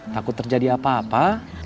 takut terjadi apa apa